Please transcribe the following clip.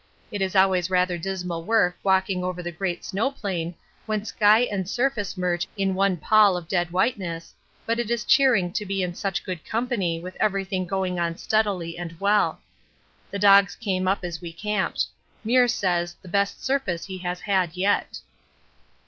It is always rather dismal work walking over the great snow plain when sky and surface merge in one pall of dead whiteness, but it is cheering to be in such good company with everything going on steadily and well. The dogs came up as we camped. Meares says the best surface he has had yet.